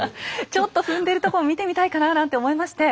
ちょっと踏んでるとこを見てみたいかななんて思いまして。